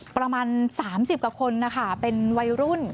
ประมาณ๓๐กว่าคนนะคะเป็นวัยรุ่น